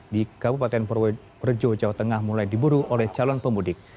di kabupaten purwokerjo jawa tengah mulai diburu oleh calon pemudik